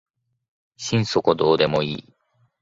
心底どうでもいい